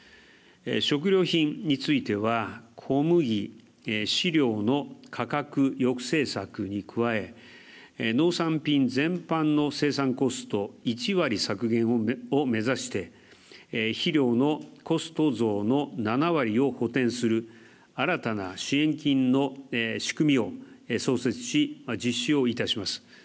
食料品については小麦、飼料の価格抑制策に加え、農産品全般の生産コスト１割削減を目指して、肥料のコスト増の７割を補てんする新たな支援金の仕組みを創設し、実施をいたします。